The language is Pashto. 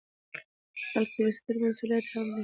، بلکې یو ستر مسؤلیت هم دی